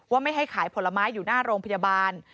ไม่ให้ขายผลไม้อยู่หน้าโรงพยาบาล